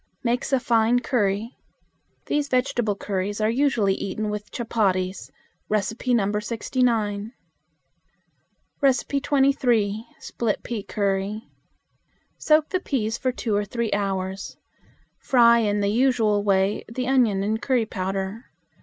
Makes a fine curry. These vegetable curries are usually eaten with chupatties (No. 69). 23. Split Pea Curry. Soak the peas for two or three hours. Fry in the usual way the onion and curry powder.